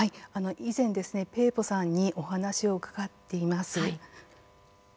以前ですね、ペーボさんにお話を伺っています。